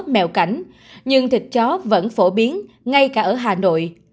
mèo cảnh nhưng thịt chó vẫn phổ biến ngay cả ở hà nội